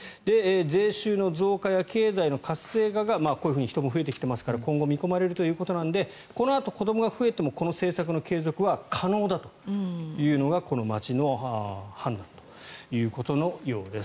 税収の増加や経済の活性化がこういうふうに人も増えてきていますから今後見込まれるということなのでこのあと子どもが増えてもこの政策の継続は可能だというのがこの町の判断ということのようです。